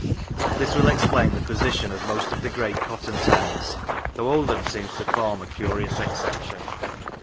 This will explain the position of most of the great cotton towns, though Oldham seems to form a curious exception.